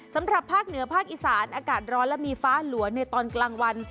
สำหรับภาคเหนือภาคอีสานอากาศร้อนและมีฟ้าหลัวในตอนกลางวัน